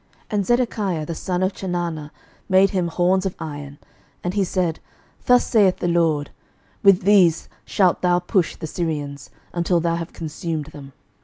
11:022:011 And Zedekiah the son of Chenaanah made him horns of iron: and he said, Thus saith the LORD, With these shalt thou push the Syrians, until thou have consumed them.